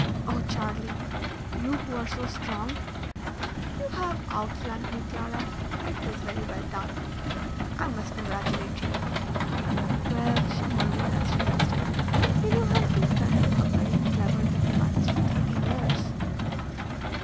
"Oh! Charlie, you who are so strong!" "You have outflanked me, Clara. It was very well done. I must congratulate you." "Well," she murmured, as she kissed him, "you know I have been studying a very clever diplomatist for thirty years."